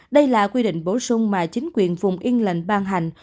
đây là quy định bổ sung mà chính quyền vùng yên lệnh ban hành